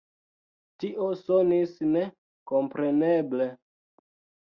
Tio sonis ne kompreneble.